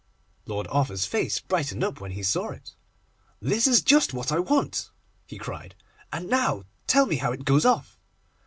Lord Arthur's face brightened up when he saw it. 'That is just what I want,' he cried, 'and now tell me how it goes off.